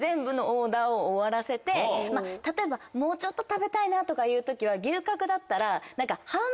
例えばもうちょっと食べたいなとかいう時は牛角だったら。